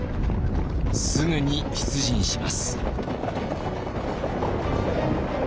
すぐに出陣します。